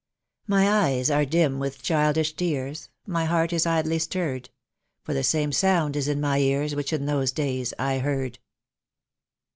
"My eyes are dim with childish tears, My heart is idly stirred, For the same sound is in my ears Which in those days I heard."